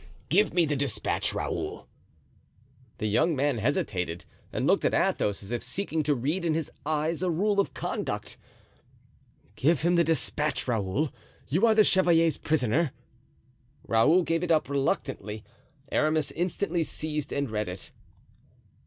Give me the despatch, Raoul." The young man hesitated and looked at Athos as if seeking to read in his eyes a rule of conduct. "Give him the despatch, Raoul! you are the chevalier's prisoner." Raoul gave it up reluctantly; Aramis instantly seized and read it.